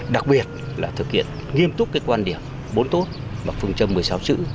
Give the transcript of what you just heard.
đặc biệt là thực hiện nghiêm túc cái quan điểm bốn tốt và phương châm một mươi sáu chữ